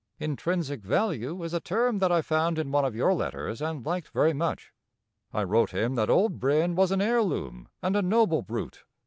Intrinsic value is a term that I found in one of your letters and liked very much. I wrote him that old Brin was an heir loom and a noble brute.